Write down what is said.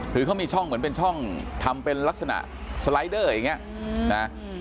คือเขามีช่องเหมือนเป็นช่องทำเป็นลักษณะสไลเดอร์อย่างนี้นะ